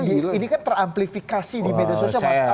ini kan teramplifikasi di media sosial mas